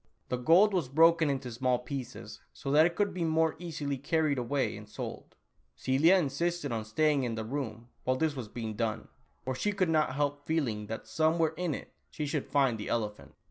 The gold was broken into small pieces, so that it could be more easily carried away and sold. Celia insisted on staying in the room, while this was being done, for she could not help feeling that somewhere in it she should find the elephant.